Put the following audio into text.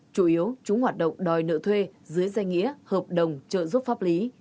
chủ yếu chúng hoạt động đòi nợ thuê dưới danh nghĩa hợp đồng trợ giúp pháp lý